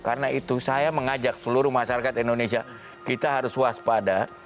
karena itu saya mengajak seluruh masyarakat indonesia kita harus waspada